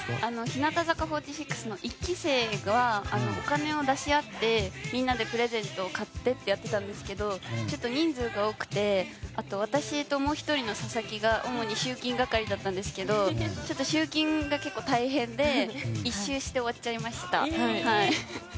日向坂４６の１期生がお金を出し合ってみんなでプレゼントを買ってってやっていたんですけどちょっと人数が多くてあと、私ともう１人の佐々木が主に集金係だったんですけど集金が結構、大変で１周して終わっちゃいました。